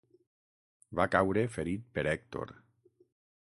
Va caure ferit per Hèctor.